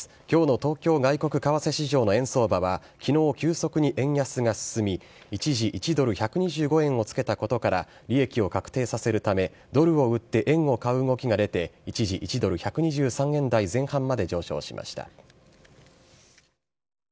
きょうの東京外国為替市場の円相場は、きのう急速に円安が進み、一時、１ドル１２５円をつけたことから、利益を確定させるため、ドルを売って円を買う動きが出て、一時、１ドル１２３円台前半まで上昇しました。